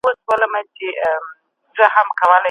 بدلون به ژر نه راځي که هڅه ونه سي.